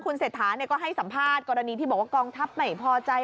คุณเศรษฐาก็ให้สัมภาษณ์กรณีที่บอกว่ากองทัพไม่พอใจ